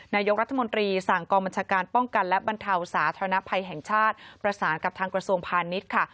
นายกรัฐมนตรีสั่งกองบัญชาการป้องกันและบรรเทาสาธารณภัยแห่งชาติประสานกับทางกระทรวงพาณิชย์ค่ะ